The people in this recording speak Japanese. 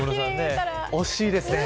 惜しいですね。